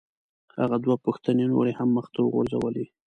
هغه دوه پوښتنې نورې هم مخ ته وغورځولې.